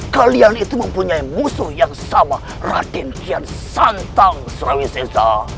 kalian itu mempunyai musuh yang sama ratin kian santang srawisesa